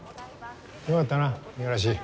よかったな五十嵐。